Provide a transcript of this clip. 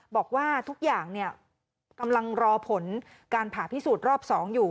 บอกว่าทุกอย่างกำลังรอผลการผ่าพิสูจน์รอบ๒อยู่